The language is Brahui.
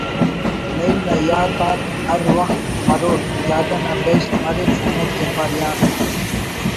نعیم نا یات آک ہر وخت مرور جاگہ نا بہشت مرے سنگت جبار یار نا